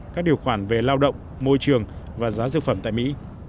các điều khoản về lao động môi trường và giá dược phẩm tại mỹ